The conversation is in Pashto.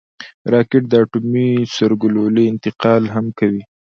راکټ د اټومي سرګلولې انتقال هم کوي